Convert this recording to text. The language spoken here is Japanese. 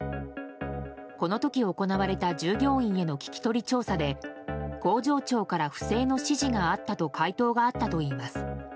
この時行われた従業員への聞き取り調査で工場長から不正の指示があったと回答があったといいます。